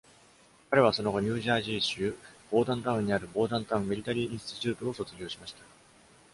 彼はその後ニュージャージー州 Bordentown にある Bordentown Military Institute を卒業しました。